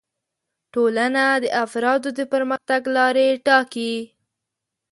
ټولنه د افرادو د پرمختګ لارې ټاکي